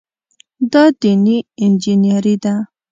دا دیني انجینیري ده.